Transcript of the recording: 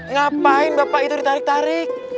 ngapain bapak itu ditarik tarik